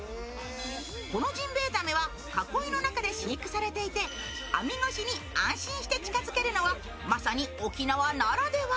このジンベエザメは囲いの中で飼育されていて、網越しに安心して近づけるのは、まさに沖縄ならでは。